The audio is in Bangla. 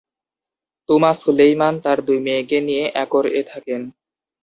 তুমা-সুলেইমান তার দুই মেয়েকে নিয়ে একর-এ থাকেন।